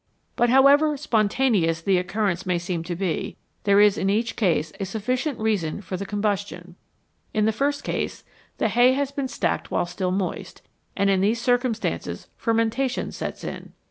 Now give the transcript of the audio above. But however " spontaneous " the occurrence may seem to be, there is in each case a sufficient reason for the combus tion. In the first case the hay has been stacked while still moist, and in these circumstances fermentation sets in.